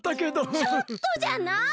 ちょっとじゃない！